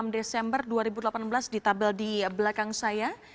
enam desember dua ribu delapan belas di tabel di belakang saya